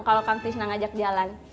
kalau kang pisna ngajak jalan